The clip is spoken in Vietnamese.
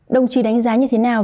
đồng chí đánh giá như thế nào